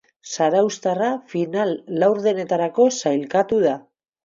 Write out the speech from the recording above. Zarauztarra final-laurdenetarako sailkatu da.